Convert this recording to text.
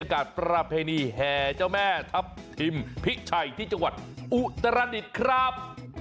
บรรยาภิกษ์ประเพณีแห่เจ้าแม่ทัพทิมพิชัยที่จังหวัดอุตรดิตครับ